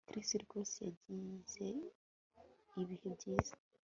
Chris rwose yagize ibihe byiza